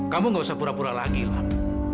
kamu gak usah pura pura lagi lah